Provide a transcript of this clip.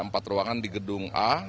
empat ruangan di gedung a